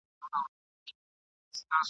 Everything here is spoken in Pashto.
هم پر ستړي ځان لرګي یې اورېدله !.